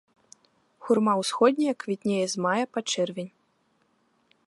Хурма ўсходняя квітнее з мая па чэрвень.